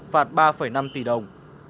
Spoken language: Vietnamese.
phạt ba năm tỷ đồng